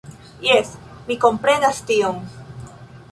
Jes, mi komprenas tion.